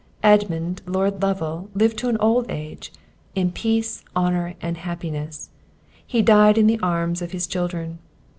Edmund Lord Lovel lived to old age, in peace, honour and happiness; and died in the arms of his children.